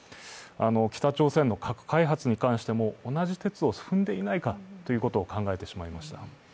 北朝鮮の核開発に関しても、同じ轍を踏んでいないかということを考えてしまいました。